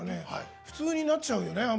普通になっちゃうよね